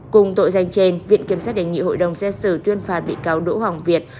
cùng tội danh trên viện kiểm sát đề nghị hội đồng xét xử tuyên phạt bị cáo đỗ hoàng việt